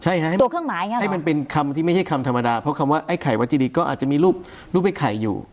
ใช่ฮะตัวเครื่องหมายไงให้มันเป็นคำที่ไม่ใช่คำธรรมดาเพราะคำว่าไอ้ไข่วัจิดีก็อาจจะมีรูปไอ้ไข่อยู่